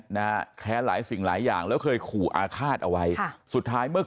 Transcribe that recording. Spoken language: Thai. นะแค้นหลายสิ่งหลายอย่างแล้วเคยขู่อาฆาตเอาไว้ค่ะสุดท้ายเมื่อ